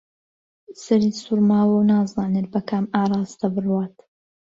سەری سووڕماوە و نازانێت بە کام ئاراستە بڕوات